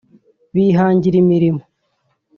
bihangira imirimo